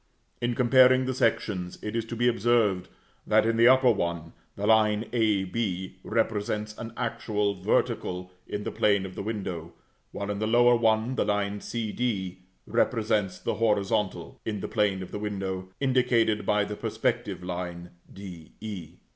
In comparing the sections it is to be observed that, in the upper one, the line a b represents an actual vertical in the plane of the window; while, in the lower one, the line c d represents the horizontal, in the plane of the window, indicated by the perspective line d e.